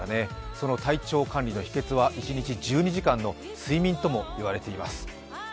その体調管理の秘けつは一日１２時間の睡眠とも言われています。